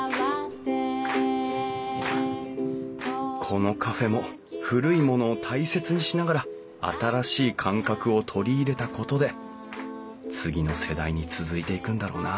このカフェも古いものを大切にしながら新しい感覚を取り入れたことで次の世代に続いていくんだろうな